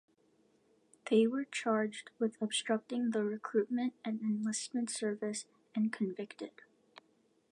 They were charged with obstructing the recruitment and enlistment service, and convicted.